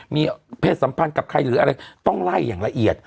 มีเพศสัมพันธ์กับใครหรืออะไรต้องไล่อย่างละเอียด